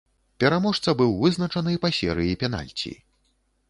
Пераможца быў вызначаны па серыі пенальці.